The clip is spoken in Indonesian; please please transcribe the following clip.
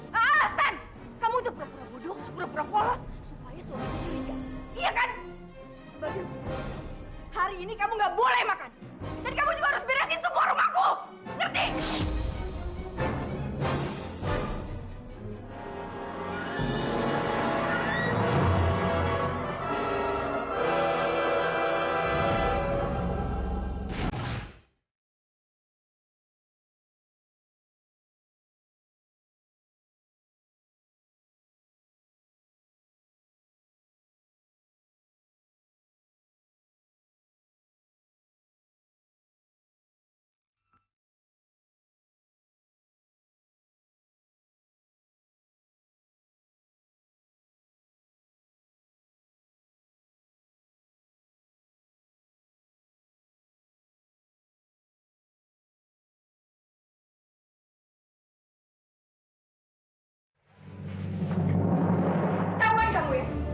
dan kamu juga harus beresin semua rumahku